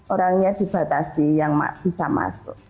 orangnya dibatasi yang bisa masuk